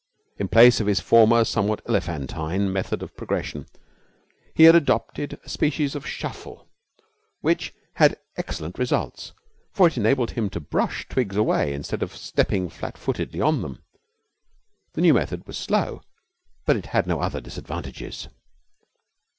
In place of his former somewhat elephantine method of progression he adopted a species of shuffle which had excellent results, for it enabled him to brush twigs away instead of stepping flatfootedly on them. The new method was slow, but it had no other disadvantages.